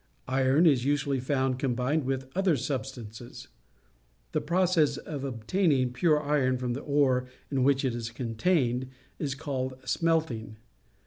Iron is usually found com bined with other substances. The process of obtaining the pure iron from the ore in wliich it is contained is called smelting.